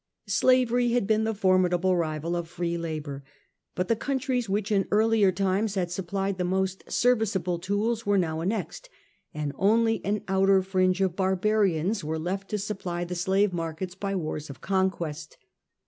Slavery had been the formidable rival of free labour; but the countries which in earlier times had diminished supplied the most serviceable tools were JfJe supply of now annexed, and only an outer fringe of slave labour, barbarians was left to supply the slave markets by wars of conquest.